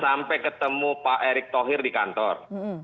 saya sampai ketemu pak erik thohir di kantor